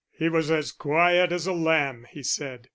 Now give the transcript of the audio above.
"He was as quiet as a lamb," he said.